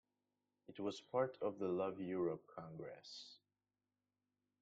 It was part of the Love Europe Congress.